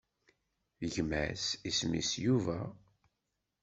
Gma-s isem-is Yubal.